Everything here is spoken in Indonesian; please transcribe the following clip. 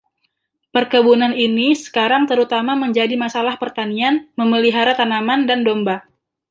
Perkebunan ini sekarang terutama menjadi masalah pertanian, memelihara tanaman dan domba.